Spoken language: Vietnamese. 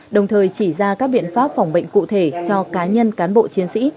đồng thời chỉ ra các biện pháp phòng bệnh cụ thể cho cá nhân cán bộ chiến sĩ